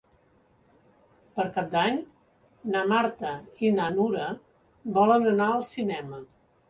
Per Cap d'Any na Marta i na Nura volen anar al cinema.